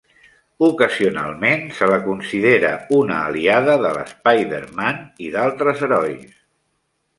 Ocasionalment, se la considera una aliada de l'Spider-Man i d'altres herois.